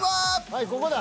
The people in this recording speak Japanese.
はいここだ。